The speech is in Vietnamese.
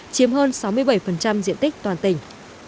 chiếm hơn sáu mươi bảy diện tích toàn tỉnh